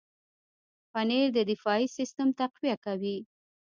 پنېر د دفاعي سیستم تقویه کوي.